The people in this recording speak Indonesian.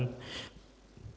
memudahkan setiap orang